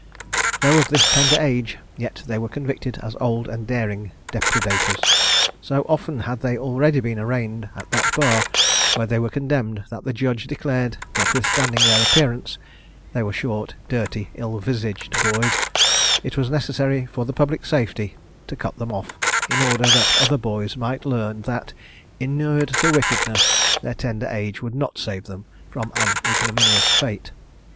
Though of this tender age, yet were they convicted as old and daring depredators. So often had they already been arraigned at that bar, where they were condemned, that the judge declared, notwithstanding their appearance, (they were short, dirty, ill visaged boys,) it was necessary, for the public safety, to cut them off, in order that other boys might learn, that, inured to wickedness, their tender age would not save them from an ignominious fate.